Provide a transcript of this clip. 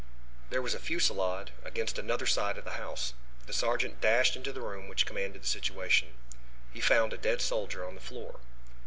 There was a fusilade against another side of the house. The sergeant dashed into the room which commanded the situation. He found a dead soldier on the floor.